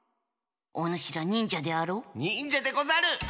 おぬしらにんじゃであろう？にんじゃでござる！